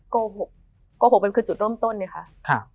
โกหกโกหกเป็นคือจุดเริ่มต้นเนี่ยค่ะ